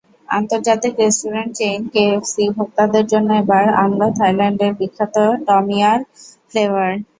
আন্তর্জাতিক restaurant chain KFC ভোক্তাদের জন্য এবার আনল থাইল্যান্ডের বিখ্যাত টমইয়াম ফ্লেভার।